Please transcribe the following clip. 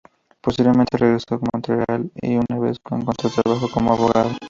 Posteriormente regresó a Montreal y una vez más encontró trabajo como abogado.